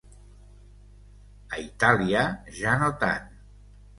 A Itàlia, ja no tant.